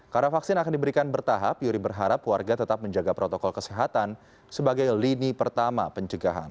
karena vaksin akan diberikan bertahap yury berharap warga tetap menjaga protokol kesehatan sebagai lini pertama pencegahan